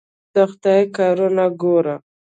د خدای کارونه ګوره.